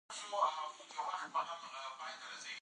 پرنګیان د افغان غازیو پر وړاندې ماتې وخوړله.